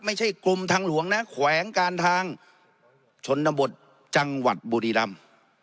ไม่ใช่กรมทางหลวงนะแขวงการทางชนบทจังหวัดบุรีรำ